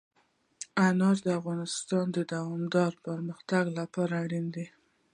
انار د افغانستان د دوامداره پرمختګ لپاره اړین دي.